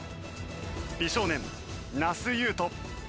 美少年那須雄登。